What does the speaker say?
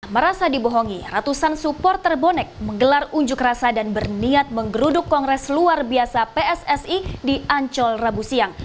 merasa dibohongi ratusan supporter bonek menggelar unjuk rasa dan berniat menggeruduk kongres luar biasa pssi di ancol rabu siang